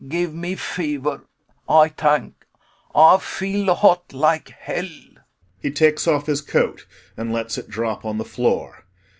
Give me fever, Ay tank, Ay feel hot like hell. [He takes off his coat and lets it drop on the floor.